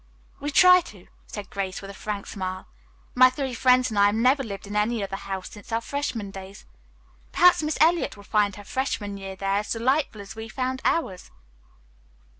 "We try to," said Grace with a frank smile. "My three friends and I have never lived in any other house since our freshman days. Perhaps Miss Eliot will find her freshman year there as delightful as we found ours."